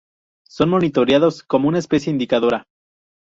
Son monitoreados como una especie indicadora.